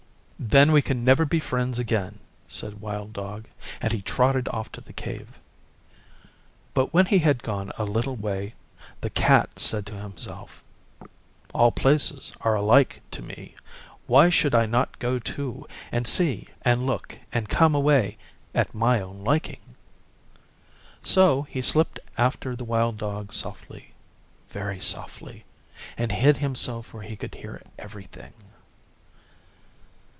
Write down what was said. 'Then we can never be friends again,' said Wild Dog, and he trotted off to the Cave. But when he had gone a little way the Cat said to himself, 'All places are alike to me. Why should I not go too and see and look and come away at my own liking.' So he slipped after Wild Dog softly, very softly, and hid himself where he could hear everything.